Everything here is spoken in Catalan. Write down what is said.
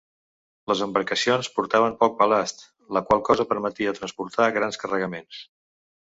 Les embarcacions portaven poc balast, la qual cosa permetia transportar grans carregaments.